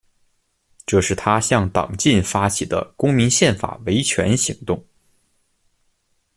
这是他向党禁发起的公民宪法维权行动。